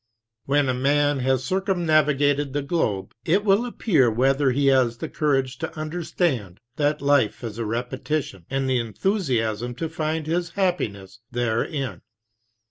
When a man has circumnavigated the globe, it will appear whether he has the courage to under stand that life is a repetition, and the enthusiasm to find his happiness therein.